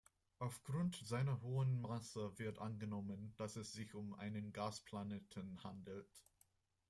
Auf Grund seiner hohen Masse wird angenommen, dass es sich um einen Gasplaneten handelt.